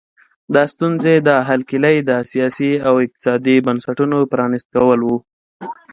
د ستونزې د حل کیلي د سیاسي او اقتصادي بنسټونو پرانیست کول وو.